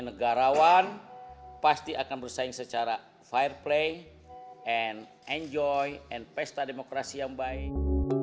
negarawan pasti akan bersaing secara fire play and enjoy and pesta demokrasi yang baik